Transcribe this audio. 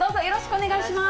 お願いいたします。